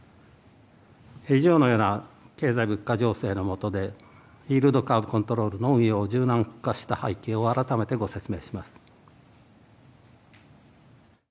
以上のような経済・物価情勢の下で、イールドカーブ・コントロールの運用を柔軟化した背景を改めてご説明します。